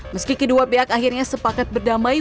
meski kedua pihak akhirnya sepakat berdamai